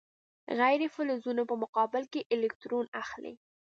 غیر فلزونه په مقابل کې الکترون اخلي.